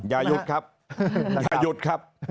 อย่าหยุดครับอย่าหยุดครับ